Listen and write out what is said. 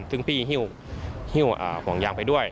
ซึ่งพี่หิ้วห่วงยางไปด้วย